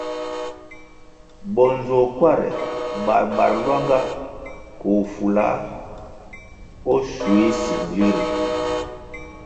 Bo nzuokware barbar luanga koh fula schuéh singili ri.